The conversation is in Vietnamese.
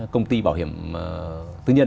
công ty bảo hiểm tư nhân